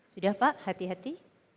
sudah pak hati hati